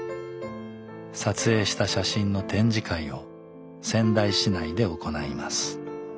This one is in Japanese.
撮影した写真の展示会を仙台市内で行います。